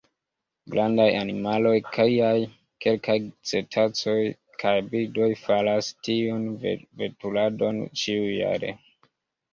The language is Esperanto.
Grandaj animaloj kiaj kelkaj cetacoj kaj birdoj faras tiun veturadon ĉiujare.